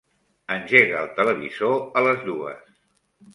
Engega el televisor a les dues.